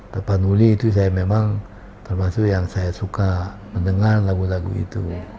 tapanuli itu saya memang termasuk yang saya suka mendengar lagu lagu itu